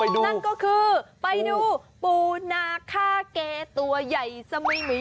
นั่นก็คือไปดูปูนาค่าเกตัวใหญ่สมิมี